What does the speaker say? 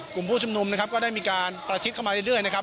กลุ่มผู้ชุมนุมนะครับก็ได้มีการประชิดเข้ามาเรื่อยนะครับ